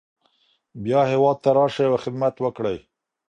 بیا هیواد ته راشئ او خدمت وکړئ.